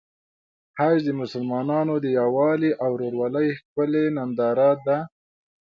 حج د مسلمانانو د یووالي او ورورولۍ ښکلی ننداره ده.